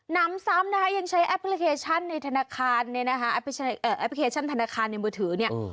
น้ำซ้ำนะคะยังใช้แอปพลิเคชันในธนาคารในมือถือเนี่ย